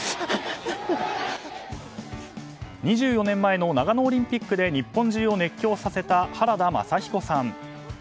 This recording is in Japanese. ２４年前の長野オリンピックで日本中を熱狂させた原田雅彦さん。